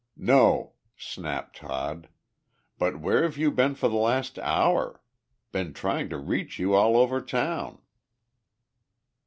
"No!" snapped Todd, "but where have you been for the last hour? Been trying to reach you all over town."